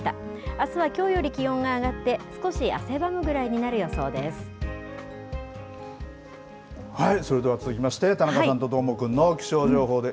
あすはきょうより気温が上がって、それでは続きまして、田中さんとどーもくんの気象情報です。